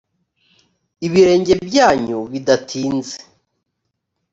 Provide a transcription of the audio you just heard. ibirenge byanyu bidatinze